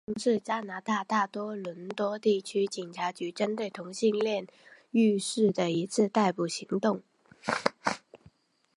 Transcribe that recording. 肥皂行动是加拿大大多伦多地区警察局针对同性恋浴室的一次逮捕行动。